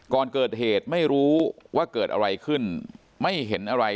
ก่อนเกิดเหตุไม่รู้ว่าเกิดอะไรขึ้นไม่เห็นอะไร